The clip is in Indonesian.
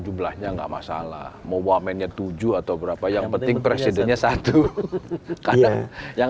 jumlahnya enggak masalah mau wamennya tujuh atau berapa yang penting presidennya satu kadang yang